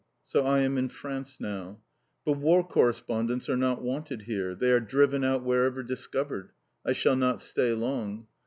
So I am in France now. But War Correspondents are not wanted here. They are driven out wherever discovered. I shall not stay long.